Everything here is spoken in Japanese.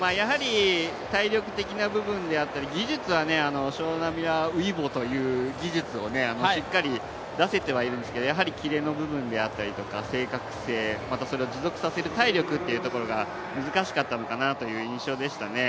体力的な部分であったり技術はショウナ・ミラーウイボという技術をしっかり出せてはいるんですけどやはりキレの部分であったり、正確性、それを持続させる体力が難しかったのかなという印象でしたね。